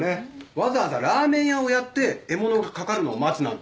わざわざラーメン屋をやって獲物が掛かるのを待つなんて。